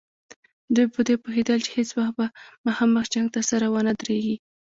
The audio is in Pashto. دوی په دې پوهېدل چې هېڅ وخت به مخامخ جنګ ته سره ونه دریږي.